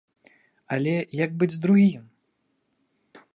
Але як быць з другім?